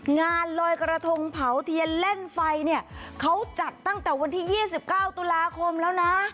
งานลอยกระทงเผาเทียนเล่นไฟเนี่ยเขาจัดตั้งแต่วันที่๒๙ตุลาคมแล้วนะ